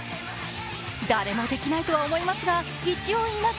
誰もできないとは思いますが一応言います。